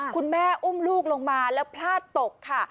คุณแม่อุ้มลูกลงมาแล้วพลาดตกค่ะ